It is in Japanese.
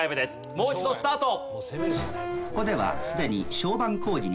もう一度スタート！